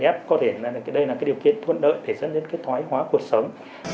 và chèn ép đây là điều kiện thuận đợi để dẫn đến thoái hóa cuộc sống